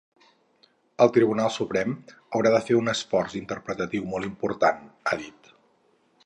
El Tribunal Suprem haurà de fer un esforç interpretatiu molt important, ha dit.